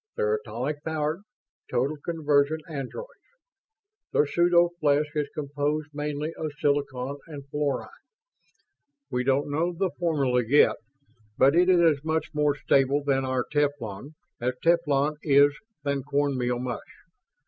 They're atomic powered, total conversion androids. Their pseudo flesh is composed mainly of silicon and fluorine. We don't know the formula yet, but it is as much more stable than our teflon as teflon is than corn meal mush.